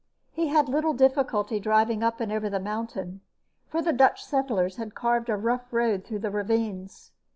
He had little difficulty driving up and over the mountain, for the Dutch settlers had carved a rough road through the ravines.